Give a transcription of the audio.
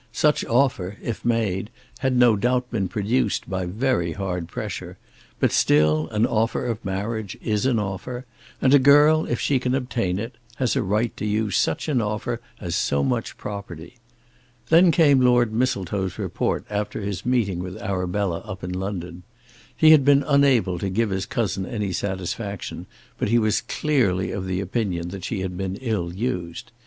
Such offer, if made, had no doubt been produced by very hard pressure; but still an offer of marriage is an offer, and a girl, if she can obtain it, has a right to use such an offer as so much property. Then came Lord Mistletoe's report after his meeting with Arabella up in London. He had been unable to give his cousin any satisfaction, but he was clearly of opinion that she had been ill used.